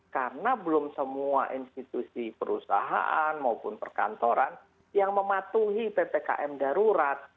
karena belum semua institusi perusahaan maupun perkantoran yang mematuhi ppkm darurat